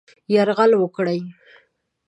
یرغل وکړي.